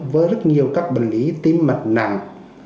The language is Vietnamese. với rất nhiều các bệnh lý tim mạch nặng